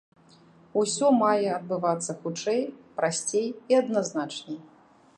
Усё мае адбывацца хутчэй, прасцей і адназначней.